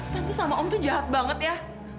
tapi sama om tuh jahat banget ya